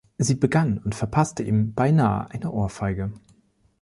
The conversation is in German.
Sie begann und verpasste ihm beinahe eine Ohrfeige.